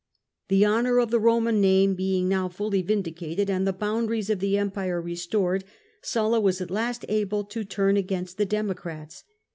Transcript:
The honour of the Koman name being now fully vindi cated, and the boundaries of the empire restored, Sulla was at last able to turn against the Democrats.